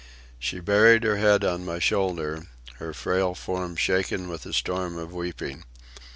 She buried her head on my shoulder, her frail form shaken with a storm of weeping.